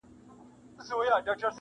بیا تر مرګه مساپر یم نه ستنېږم-